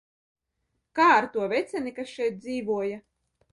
Kā ar to veceni, kas šeit dzīvoja?